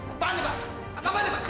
apaan ini pak